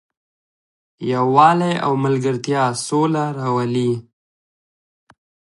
یووالی او ملګرتیا سوله راولي.